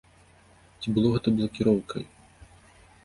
Ці было гэта блакіроўкай?